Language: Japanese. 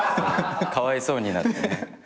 かわいそうになってね。